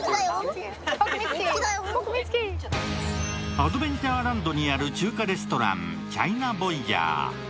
アドベンチャーランドにある中華レストランチャイナボイジャー。